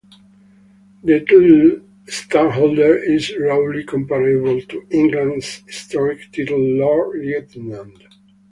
The title "stadtholder" is roughly comparable to England's historic title Lord Lieutenant.